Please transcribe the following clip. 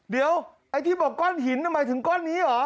เดี๋ยวไอ้ที่บอกก้อนหินหมายถึงก้อนนี้เหรอ